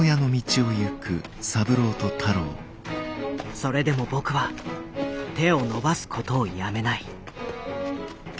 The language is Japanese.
それでも僕は手を伸ばすことをやめない。